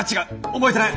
覚えてない？